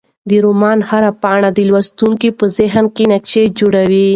د رومان هره پاڼه د لوستونکي په ذهن کې نقش جوړوي.